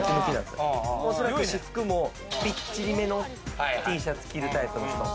私服もぴっちりめのＴシャツ着るタイプの人。